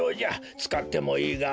つかってもいいがえい